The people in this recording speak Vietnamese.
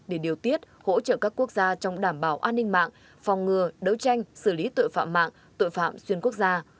để điều tiết hỗ trợ các quốc gia trong đảm bảo an ninh mạng phòng ngừa đấu tranh xử lý tội phạm mạng tội phạm xuyên quốc gia